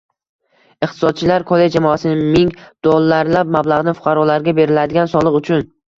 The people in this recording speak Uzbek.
Iqtisodchilar kollej jamoasi ming dollarlab mablag’ni fuqarolarga beriladigan soliq uchun